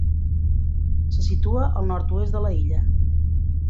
Se situa al nord-oest de la illa.